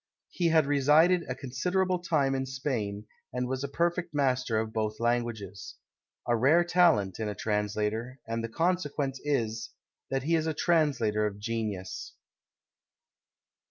He had resided a considerable time in Spain, and was a perfect master of both languages, a rare talent in a translator; and the consequence is, that he is a translator of genius.